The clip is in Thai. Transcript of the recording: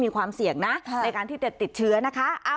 มีความเสี่ยงนะในการที่จะติดเชื้อนะคะ